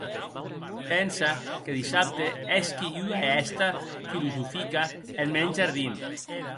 Pensa que dissabte hèsqui ua hèsta filosofica en mèn jardin.